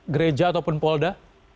gereja ataupun polda